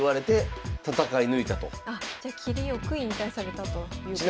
あっじゃ切り良く引退されたということなんですね。